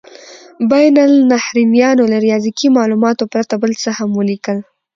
بین النهرینیانو له ریاضیکي مالوماتو پرته بل څه هم ولیکل.